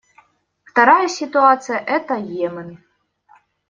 Вторая ситуация — это Йемен.